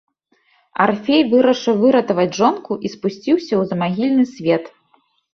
Арфей вырашыў выратаваць жонку і спусціўся ў замагільны свет.